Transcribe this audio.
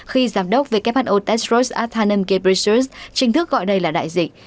khi giám đốc who tedros adhanom ghebreyesus trình thức gọi đây là đại dịch